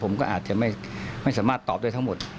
ผมก็อาจจะไม่สามารถตอบได้ทั้งหมด